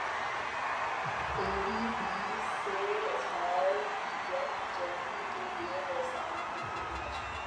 ائی D Ps سے اظہار یک جہتی کیلئے دوستانہ کرکٹ میچ